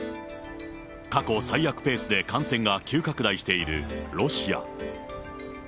過去最悪ペースで感染が急拡大しているロシア。